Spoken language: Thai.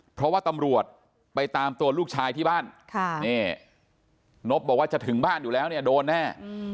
เพราะว่าตำรวจไปตามตัวลูกชายที่บ้านนบบอกว่าจะถึงบ้านอยู่แล้วเนี่ยโดนแน่